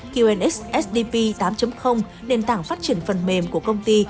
qnx sdp tám nền tảng phát triển phần mềm của công ty